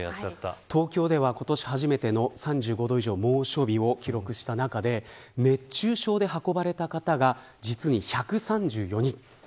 東京では今年初めての３５度以上猛暑日を記録した中で熱中症で運ばれた方が実に１３４人。